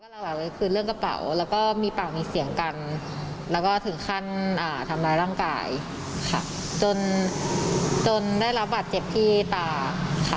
เรื่องกระเป๋าแล้วก็มีปากมีเสียงกันแล้วก็ถึงขั้นทำร้ายร่างกายจนได้รับบาดเจ็บที่ตาค่ะ